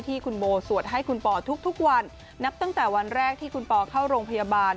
ที่คุณโบสวดให้คุณปอทุกวันนับตั้งแต่วันแรกที่คุณปอเข้าโรงพยาบาล